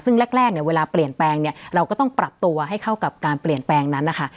ซึ่งแรกเนี่ยเวลาเปลี่ยนแปลงเนี่ยเราก็ต้องปรับตัวให้เข้ากับการเปลี่ยนแปลงนั้นนะคะ